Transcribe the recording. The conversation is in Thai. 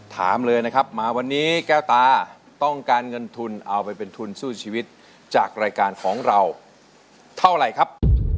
ถามเลยนะครับมาวันนี้แก้วตาต้องการเงินทุนเอาไปเป็นทุนสู้ชีวิตจากรายการของเราเท่าไหร่ครับ